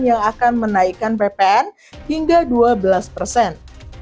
yang akan menaikkan ppn hingga dua belas persen